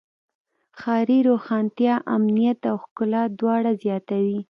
ښاري روښانتیا امنیت او ښکلا دواړه زیاتوي.